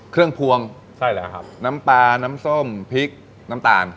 เครื่องพวงน้ำปลาน้ำส้มพริกน้ำตาล